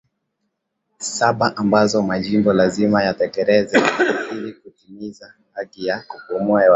saba ambazo Majimbo lazima yatekeleze ili kutimiza haki ya kupumua hewa safi